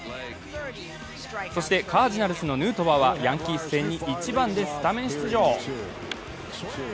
そしてカージナルスのヌートバーはヤンキース戦に１番でスタメン出場。